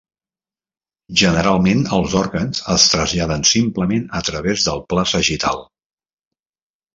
Generalment, els òrgans es traslladen simplement a través del pla sagital.